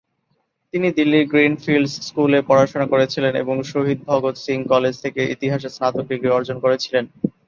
তিনি দিল্লির green fields স্কুলে পড়াশোনা করেছিলেন এবং শহীদ ভগত সিং কলেজ থেকে ইতিহাসে স্নাতক ডিগ্রি অর্জন করেছিলেন।